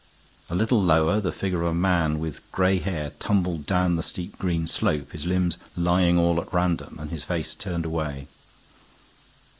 A little lower the figure of a man with gray hair lay tumbled down the steep green slope, his limbs lying all at random, and his face turned away.